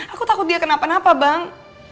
aku takut dia kenapa kenapa bang